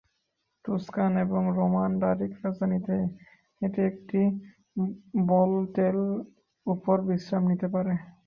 টুসকান এবং Roman Doric রাজধানীতে, এটি একটি বোলটেল উপর বিশ্রাম নিতে পারে।